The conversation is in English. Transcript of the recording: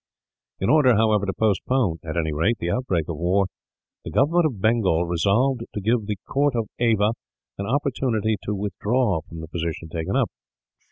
In order, however, to postpone, at any rate, the outbreak of war, the government of Bengal resolved to give the court of Ava an opportunity to withdraw from the position taken up.